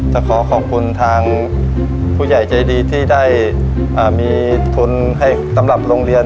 แต่ขอขอบคุณทางผู้ใหญ่ใจดีที่ได้มีทุนให้สำหรับโรงเรียน